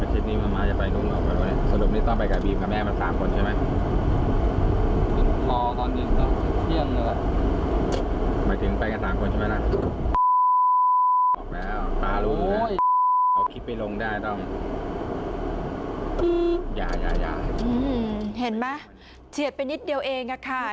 เห็นไหมเฉียดไปนิดเดียวเองค่ะ